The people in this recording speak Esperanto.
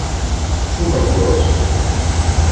Ĉu laboros?